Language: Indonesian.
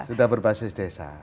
sudah berbasis desa